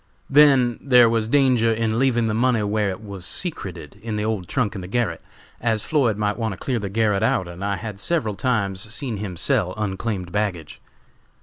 Then, there was danger in leaving the money where it was secreted in the old trunk in the garret as Floyd might want to clear the garret out, and I had several times seen him sell unclaimed baggage.